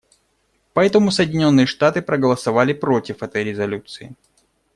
Поэтому Соединенные Штаты проголосовали против этой резолюции.